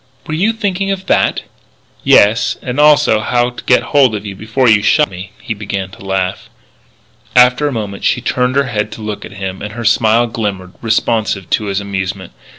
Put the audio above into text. "Were you thinking of that?" "Yes, and also how to get hold of you before you shot me." He began to laugh. After a moment she turned her head to look at him, and her smile glimmered, responsive to his amusement.